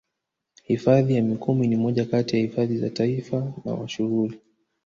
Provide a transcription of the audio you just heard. Hifadhi ya Mikumi ni moja kati ya hifadhi za Taifa na mashuhuri